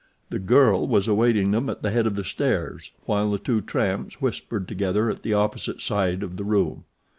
The girl was awaiting them at the head of the stairs while the two tramps whispered together at the opposite side of the room.